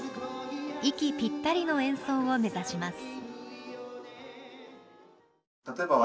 息ぴったりの演奏を目指します。